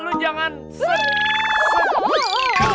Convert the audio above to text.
lo jangan sedih